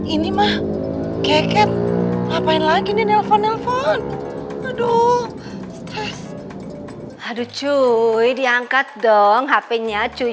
ini mah keket ngapain lagi nih nelpon nelfon aduh stress hadut cuy diangkat dong hpnya cuy